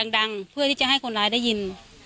เพื่อที่จะให้คนร้ายได้ยิน